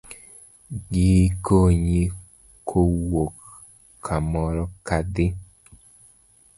Gi kony kowuok kamoro kadhi